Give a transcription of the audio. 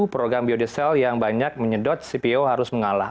program biodiesel yang banyak menyedot cpo harus mengalah